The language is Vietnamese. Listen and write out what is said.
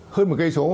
hơn một cây số